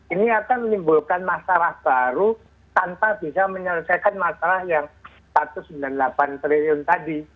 ini akan menimbulkan masalah baru tanpa bisa menyelesaikan masalah yang satu ratus sembilan puluh delapan triliun tadi